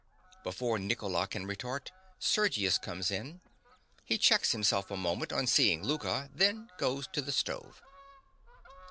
(_Before Nicola can retort, Sergius comes in. He checks himself a moment on seeing Louka; then goes to the stove.